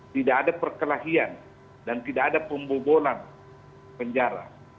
tidak ada perkelahian dan tidak ada pembobolan penjara